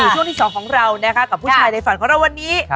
ช่วงที่๒ของเรานะคะกับผู้ชายในฝันของเราวันนี้